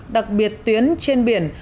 đặc biệt tuyến trên biển